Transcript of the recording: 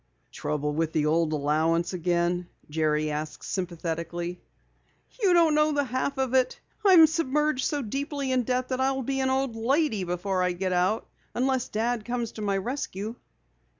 "Trouble with the old allowance again?" Jerry asked sympathetically. "You don't know the half of it. I'm submerged so deeply in debt that I'll be an old lady before I get out, unless Dad comes to my rescue."